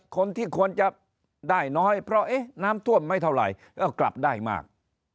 คนที่ควรจะได้น้อยเพราะน้ำท่วมไม่เท่าไหร่ก็กลับได้มาก